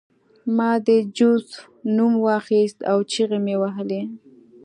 ما د جوزف نوم واخیست او چیغې مې وهلې